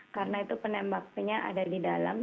karena itu penembakannya ada di dalam